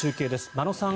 真野さん